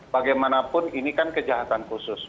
bagaimanapun ini kan kejahatan khusus